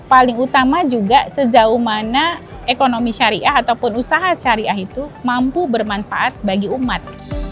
paling utama juga sejauh mana ekonomi syariah ataupun usaha syariah itu mampu bermanfaat bagi umat